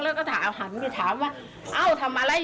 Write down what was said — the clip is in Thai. แล้วก็หันไปถามว่าเอ้าทำอะไร